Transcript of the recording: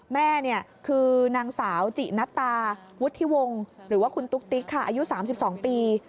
แม่คือนางสาวจินัตตาวุฒิวงศ์หรือว่าคุณตุ๊กติ๊กค่ะอายุ๓๒ปี